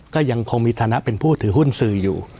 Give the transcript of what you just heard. ก็ยังคงมีฐานะเป็นผู้ถือหุ้นสื่ออยู่